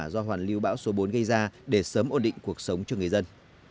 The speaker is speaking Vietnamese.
do hoàn lưu bão số bốn gây ra để sớm ổn định cuộc sống cho người dân